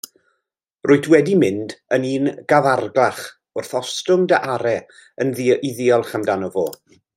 Rwyt wedi mynd yn un garfaglach wrth ostwng dy arre i ddiolch amdano fo.